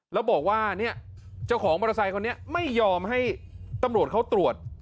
แล้วบอกว่าเนี่ยเจ้าของมอเตอร์ไซค์คนนี้ไม่ยอมให้ตำรวจเขาตรวจ